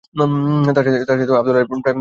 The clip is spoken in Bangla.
তার সাথে আব্দুল আলীর প্রায়ই মামলা-মোকদ্দমা চলতো।